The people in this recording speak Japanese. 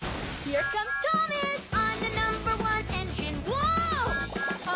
ワオ！